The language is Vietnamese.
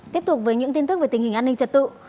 tiếp tục với những tin tức về tình hình an ninh trật tự